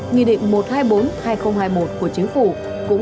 nghị định một trăm hai mươi bốn hai nghìn hai mươi một của chính phủ